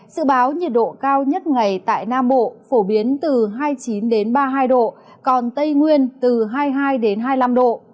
sự báo nhiệt độ cao nhất ngày tại nam bộ phổ biến từ hai mươi chín ba mươi hai độ còn tây nguyên từ hai mươi hai hai mươi năm độ